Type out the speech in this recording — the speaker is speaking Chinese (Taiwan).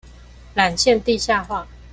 纜線地下化